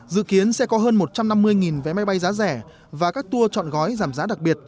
dự kiến sẽ có hơn một trăm năm mươi vé máy bay giá rẻ và các tour chọn gói giảm giá đặc biệt